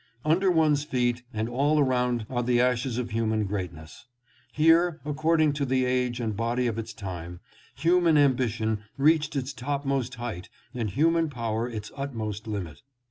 Under one's feet and all around are the ashes of human greatness. Here, according to the age and body of its time, human ambi tion reached its topmost height and human power its utmost limit.